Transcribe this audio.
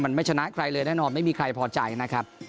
มันไม่ชนะใครเลยแน่นอนไม่มีใครพอใจนะครับ